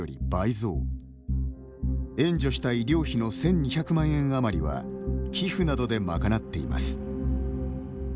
援助した医療費の１２００万円余りは寄付などで賄っています。